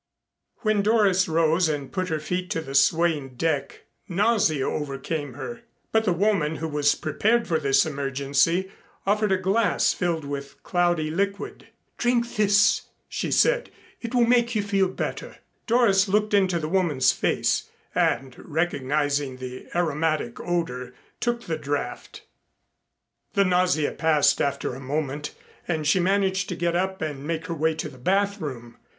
When Doris rose and put her feet to the swaying deck, nausea overcame her. But the woman, who was prepared for this emergency, offered a glass filled with cloudy liquid. "Drink this," she said. "It will make you feel better." Doris looked into the woman's face, and recognizing the aromatic odor, took the draught. The nausea passed after a moment and she managed to get up and make her way to the bathroom.